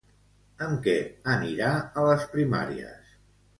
Amb què anirà a les primàries?